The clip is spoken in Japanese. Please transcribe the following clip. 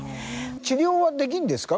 治療はできるんですか？